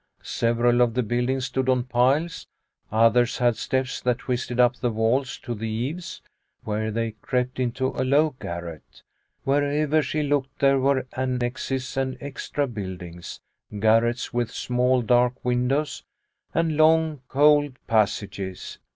Several of the buildings stood on piles, others had steps that twisted up the walls to the eaves, where they crept into a low garret. Wherever she looked, there were annexes and extra buildings, garrets with small, dark windows, and long, cold passages.